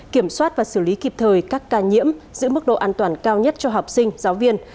kiểm soát và xử lý kịp thời các ca nhiễm giữ mức độ an toàn cao nhất cho học sinh giáo viên